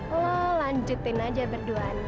lo lanjutin aja berduanya